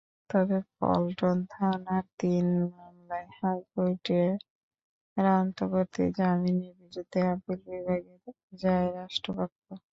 তবে পল্টন থানার তিন মামলায় হাইকোর্টের অন্তর্বর্তী জামিনের বিরুদ্ধে আপিল বিভাগে যায় রাষ্ট্রপক্ষ।